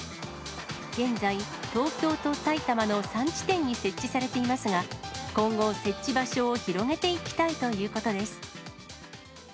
現在、東京と埼玉の３地点に設置されていますが、今後、設置場所を広げていきたいということです。